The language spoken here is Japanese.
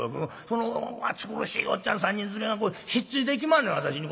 その暑苦しいおっちゃん３人連れがひっついてきまんねん私に。